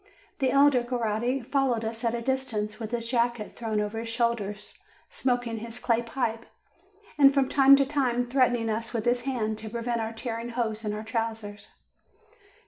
The elder Coretti followed us at a distance, with his jacket thrown over his shoulders, smoking his clay pipe, and from time to time threatening us with his hand, to prevent our tearing holes in our trousers.